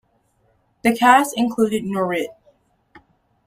The cast included Nourrit.